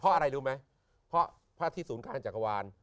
เพราะอะไรรู้ไหมเพราะพระอาทิตย์ศูนย์การท่านจักรวาล